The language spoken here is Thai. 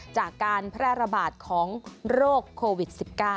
จากการแพร่ระบาดของโรคโควิด๑๙